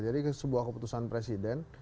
jadi sebuah keputusan presiden